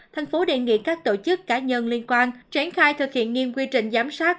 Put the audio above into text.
tp hcm đề nghị các tổ chức cá nhân liên quan tránh khai thực hiện nghiêm quy trình giám sát